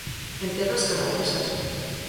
En terras calabresas.